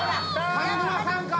上沼さんか！